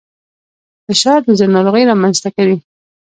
فشار د زړه ناروغۍ رامنځته کوي